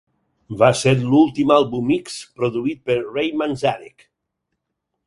Va ser l'últim àlbum X produït per Ray Manzarek.